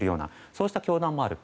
そうした教団もある。